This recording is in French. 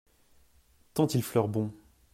Tant il fleure bon !